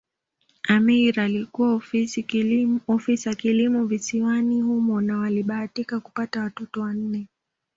Ameir alikuwa ofisa kilimo visiwani humo na walibahatika kupata watoto wanne